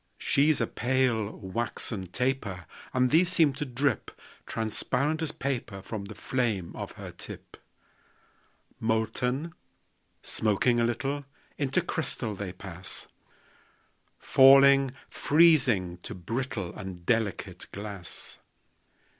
She's a pale, waxen taper; And these seem to drip Transparent as paper From the flame of her tip. Molten, smoking a little, Into crystal they pass; Falling, freezing, to brittle And delicate glass.